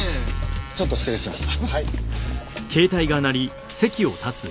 ちょっと失礼します。